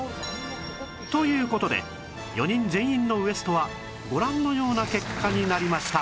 という事で４人全員のウエストはご覧のような結果になりました